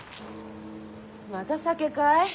また酒かい？